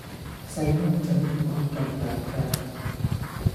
細孥仔唔可以咁曳架